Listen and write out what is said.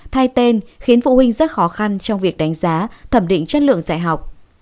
thay tên khiến phụ huynh rất khó khăn trong việc đánh giá thẩm định chất lượng dạy học